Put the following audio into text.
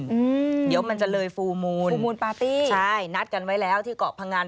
เดี๋ยวมันจะเลยฟูลมูนใช่นัดกันไว้แล้วที่เกาะพังัน